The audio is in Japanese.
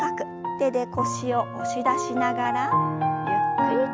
手で腰を押し出しながらゆっくりと後ろ。